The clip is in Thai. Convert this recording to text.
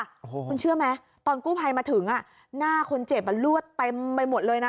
คุณเชื่อไหมตอนกู้ภัยมาถึงหน้าคนเจ็บลวดเต็มไปหมดเลยนะ